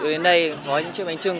đưa đến đây gói những chiếc bánh trưng